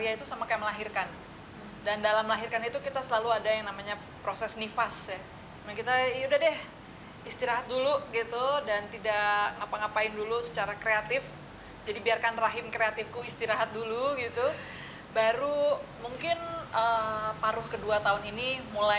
yani'ih i isso sendiri lagidtowych hamburg wurde hannahanna